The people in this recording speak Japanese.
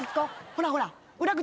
ほらほらっ！